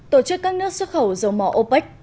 tổ chức các nước xuất khẩu dầu mỏ opec